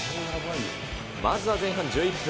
まずは前半１１分。